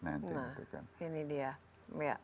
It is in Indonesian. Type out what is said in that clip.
nah ini dia